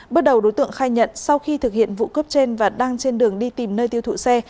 bước đầu đối tượng khai nhận sau khi thực hiện vụ cướp trên và đang trên đường đi tìm nơi tiêu thụ xe